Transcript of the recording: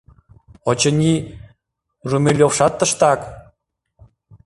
Очыни, Румелёвшат тыштак...